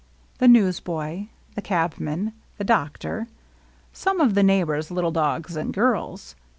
The newsboy. The cabman. The doctor. Some of the neighbors' little dogs and girls.